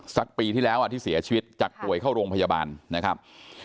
ปีที่แล้วที่เสียชีวิตจากป่วยเข้าโรงพยาบาลนะครับ